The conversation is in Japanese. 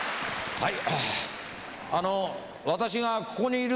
はい。